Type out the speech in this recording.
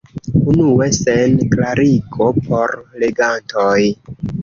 Unue sen klarigo por legantoj.